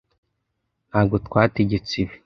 ntabwo twategetse ibi